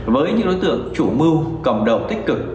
với những đối tượng chủ mưu cộng đồng tích cực